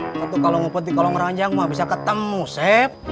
itu kalau ngupet di kolong ranjang mah bisa ketemu sep